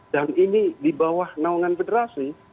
dan ini di bawah naungan federasi